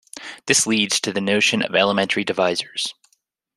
This leads to the notion of elementary divisors.